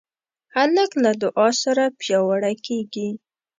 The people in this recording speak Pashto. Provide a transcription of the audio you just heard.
هلک له دعا سره پیاوړی کېږي.